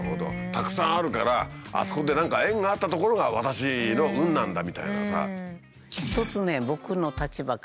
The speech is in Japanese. たくさんあるからあそこで何か縁があった所が私の運なんだみたいなさ。